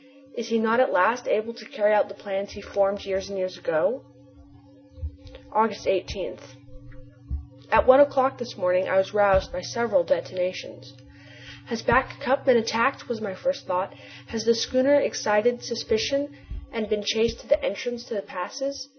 Is he not at last able to carry out the plans he formed years and years ago? August 18. At one o'clock this morning I was roused by several detonations. "Has Back Cup been attacked?" was my first thought. "Has the schooner excited suspicion, and been chased to the entrance to the passes?